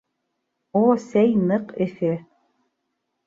О, сәй ныҡ эҫе